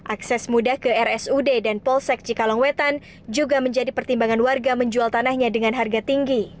akses mudah ke rsud dan polsek cikalongwetan juga menjadi pertimbangan warga menjual tanahnya dengan harga tinggi